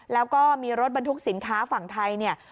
แล้วก็มีรถบรรทุกสินค้าฝั่งไทยเนี่ย